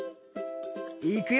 いくよ！